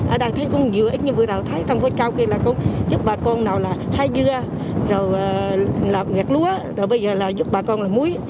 ở đây thấy không nhiều ít như vừa đầu thấy trong phố cao kia là cũng giúp bà con nào là hai dưa rồi là ngạc lúa rồi bây giờ là giúp bà con là muối